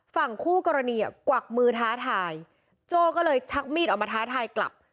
ฝั่งคู่กรณีอ่ะกวักมือท้าทายโจ้ก็เลยชักมีดออกมาท้าทายกลับ